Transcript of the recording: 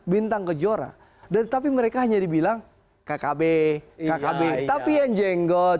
bintang kejora dan tapi mereka hanya dibilang kkb kkb tapi yang jenggot